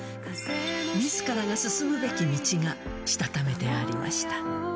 みずからが進むべき道がしたためてありました。